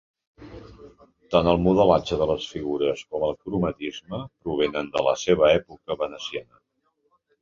Tant el modelatge de les figures com el cromatisme provenen de la seva època veneciana.